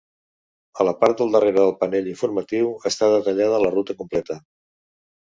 A la part del darrere del panell informatiu està detallada la ruta completa.